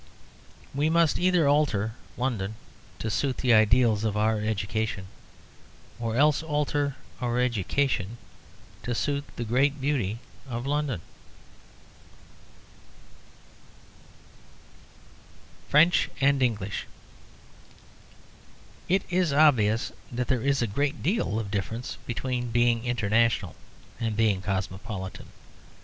We must either alter London to suit the ideals of our education, or else alter our education to suit the great beauty of London. FRENCH AND ENGLISH It is obvious that there is a great deal of difference between being international and being cosmopolitan.